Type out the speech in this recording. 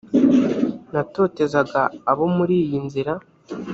natotezaga abo muri iyi nzira